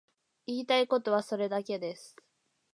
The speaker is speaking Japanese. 言いたいことはそれだけです。